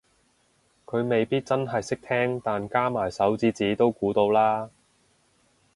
佢未必真係識聽但加埋手指指都估到啦